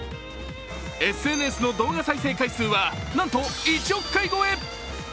ＳＮＳの動画再生回数は、なんと１億回超え。